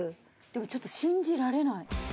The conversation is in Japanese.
でもちょっと信じられない。